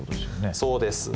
そうですね。